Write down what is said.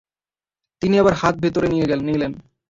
তিনি আবার হাত ভিতরে নিয়ে নিলেন।